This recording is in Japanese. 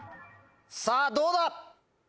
さぁどうだ？